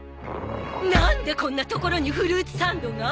なんでこんな所にフルーツサンドが？